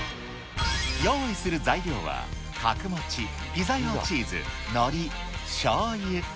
用意する材料は、角餅、ピザ用チーズ、のり、しょうゆ。